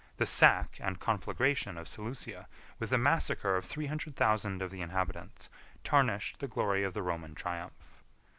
The sack and conflagration of Seleucia, with the massacre of three hundred thousand of the inhabitants, tarnished the glory of the Roman triumph.